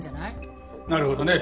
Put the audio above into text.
なるほどね。